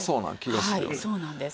はいそうなんです。